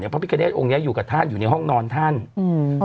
พระพิกเนธองค์เนี้ยอยู่กับท่านอยู่ในห้องนอนท่านอืม